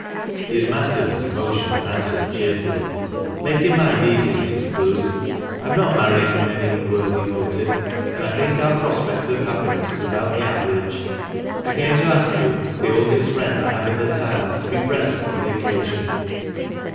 He had mastered his emotion, and answered cheerfully — THE MANCHESTER MAN. 399 " Make your mind easy, Mrs. Clowes. I am not marrying from any unworthy motive, and I think our prospect of happiness is about the average. I came to ask you, as the oldest friend I have in the town, to be present on the occasion."